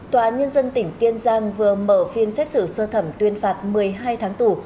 tòa án nhân dân tỉnh kiên giang vừa mở phiên xét xử sơ thẩm tuyên phạt một mươi hai tháng tù